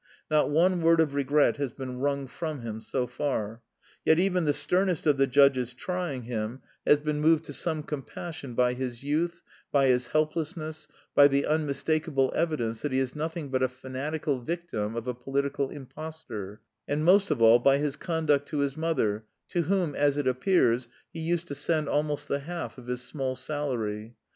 Not one word of regret has been wrung from him so far. Yet even the sternest of the judges trying him has been moved to some compassion by his youth, by his helplessness, by the unmistakable evidence that he is nothing but a fanatical victim of a political impostor, and, most of all, by his conduct to his mother, to whom, as it appears, he used to send almost the half of his small salary.